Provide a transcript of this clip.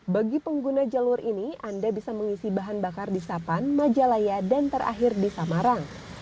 bagi pengguna jalur ini anda bisa mengisi bahan bakar di sapan majalaya dan terakhir di samarang